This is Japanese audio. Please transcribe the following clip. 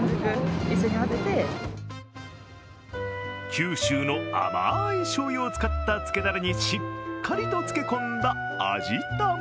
九州の甘いしょうゆを使った漬けだれにしっかり漬け込んだ味玉。